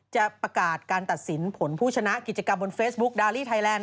จะประกาศการตัดสินผลผู้ชนะกิจกรรมบนเฟซบุ๊คดาลีไทยแลนด